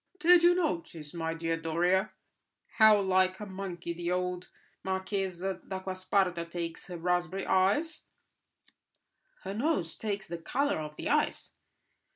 "Did you notice, my dear Doria, how like a monkey the old Marchesa d'Acquasparta takes her raspberry ice?" "Her nose takes the colour of the ice.